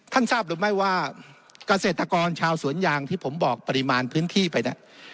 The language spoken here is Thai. ทราบหรือไม่ว่าเกษตรกรชาวสวนยางที่ผมบอกปริมาณพื้นที่ไปเนี่ย